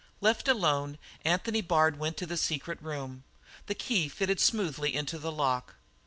Left alone, Anthony Bard went to the secret room. The key fitted smoothly into the lock.